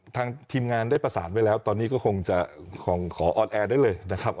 ทางทีมงานได้ประสานไว้แล้วตอนนี้ก็คงจะขอออนแอร์ได้เลยนะครับ